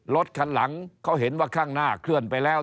รถคันหลังเขาเห็นว่าข้างหน้าเคลื่อนไปแล้ว